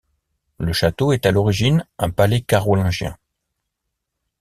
Le château est à l'origine un palais carolingien.